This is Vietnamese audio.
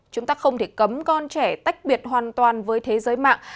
chúng ta không thể cấm con trẻ tách biệt hoàn toàn với thế giới mạng